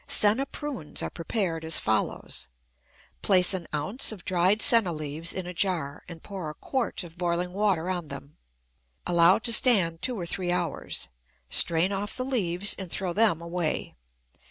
Senna prunes are prepared as follows: Place an ounce of dried senna leaves in a jar and pour a quart of boiling water on them. Allow to stand two or three hours; strain off the leaves and throw them away.